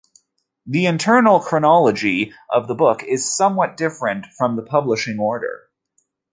The internal chronology of the books is somewhat different from the publishing order.